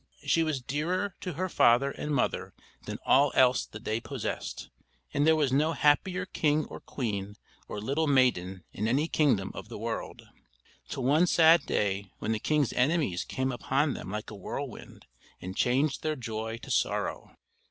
She was dearer to her father and mother than all else that they possessed; and there was no happier king or queen or little maiden in any kingdom of the world, till one sad day when the king's enemies came upon them like a whirlwind, and changed their joy to sorrow.